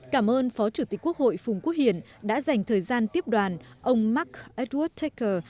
cảm ơn phó chủ tịch quốc hội phùng quốc hiển đã dành thời gian tiếp đoàn ông mark edwood techer